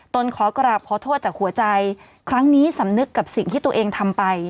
นขอกราบขอโทษจากหัวใจครั้งนี้สำนึกกับสิ่งที่ตัวเองทำไป